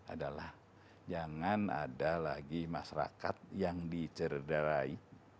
adalah jangan ada lagi masyarakat yang dicerdarai